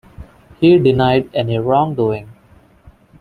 He denied any wrongdoing.